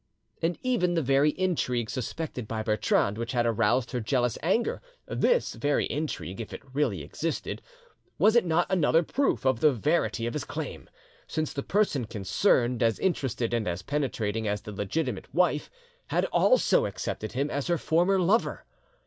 And even the very intrigue suspected by Bertrande, which had aroused her jealous anger, this very intrigue, if it really existed, was it not another proof of the verity of his claim, since the person concerned, as interested and as penetrating as the legitimate wife; had also accepted him as her former lover?